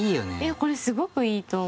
これすごくいいと思う。